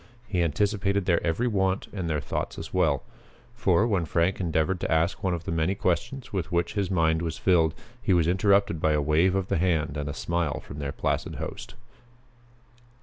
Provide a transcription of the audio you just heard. He anticipated their every want and their thoughts as well. For, when Frank endeavored to ask one of the many questions with which his mind was filled, he was interrupted by a wave of the hand and a smile from their placid host.